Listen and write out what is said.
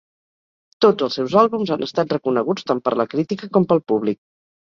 Tots els seus àlbums han estat reconeguts tant per la crítica com pel públic.